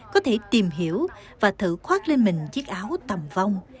có thể tìm hiểu và thử khoát lên mình chiếc áo tầm vong